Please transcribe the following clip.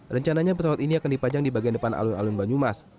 rencananya pesawat ini akan dipajang di bagian depan alun alun banyumas